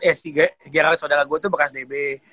eh si gerard saudara gue tuh bekas db